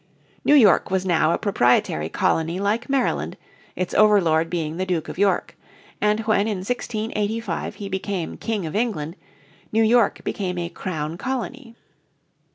New York was now a proprietary colony like Maryland, its overlord being the Duke of York, and when in 1685 he became King of England New York became a Crown Colony.